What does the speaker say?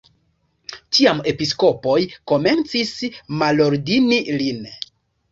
Tiam episkopoj komencis malordini lin.